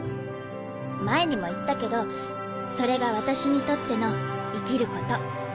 前にも言ったけどそれが私にとっての生きること。